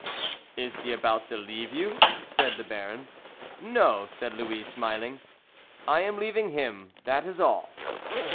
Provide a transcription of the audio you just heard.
"Is he about to leave you?" said the Baron. "No," said Louis, smiling; "I am leaving him, that is all!"